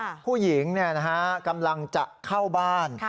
ผู้หญิงกำลังจะเข้าบ้าน